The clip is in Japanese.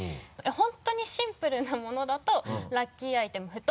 本当にシンプルなものだとラッキーアイテム布団。